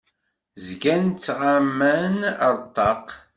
Zgan ttɣaman ar ṭṭaq.